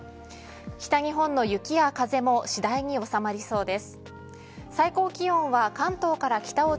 北日本の雪や風も次第に収まりそうです。